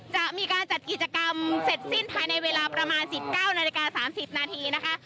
จะมีการจัดกิจกรรมเสร็จสิ้นภายในเวลาประมาณ๑๙นาฬิกา๓๐นาทีนะคะ